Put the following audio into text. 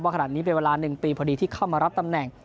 ขนาดนี้เป็นเวลา๑ปีพอดีที่เข้ามารับตำแหน่ง